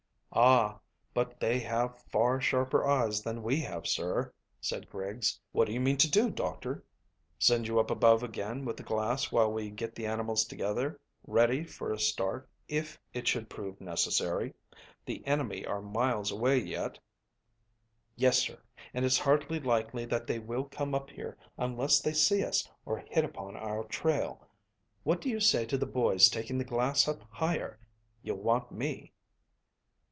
"Ah, but they have far sharper eyes than we have, sir," said Griggs. "What do you mean to do, doctor?" "Send you up above again with the glass while we get the animals together ready for a start if it should prove necessary. The enemy are miles away yet." "Yes, sir, and it's hardly likely that they will come up here unless they see us or hit upon our trail. What do you say to the boys taking the glass up higher? You'll want me."